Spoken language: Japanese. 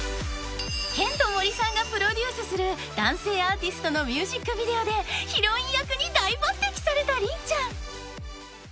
［ケント・モリさんがプロデュースする男性アーティストのミュージックビデオでヒロイン役に大抜てきされた凛ちゃん］